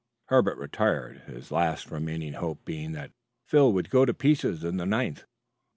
Herbert retired, his last remaining hope being that Phil would go to pieces in the ninth.